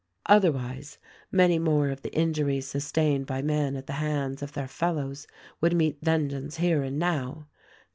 Other wise, many more of the injuries sustained by men at the hands of their fellows would meet vengeance here and now.